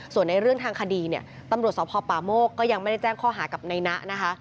ส่วนในเรื่องทางคดีเนี่ยตำรวจสภป่าโมกก็ยังไม่ได้แจ้งข้อหากับในนะนะคะ